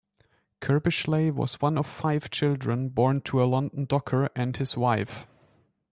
Curbishley was one of five children born to a London docker and his wife.